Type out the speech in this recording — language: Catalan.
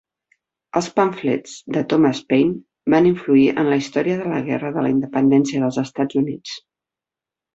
Els pamflets de Thomas Paine van influir en la història de la Guerra de la Independència dels Estats Units.